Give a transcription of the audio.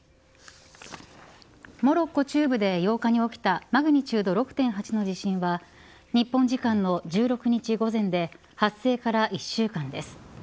モロッコ中部で８日に起きたマグニチュード６．８の地震は日本時間の１６日午前で発生から１週間です。